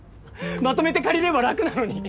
まとめて借りれば楽なのに。